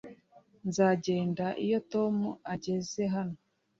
nzagenda iyo tom ageze hano